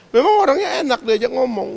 memang orangnya enak diajak ngomong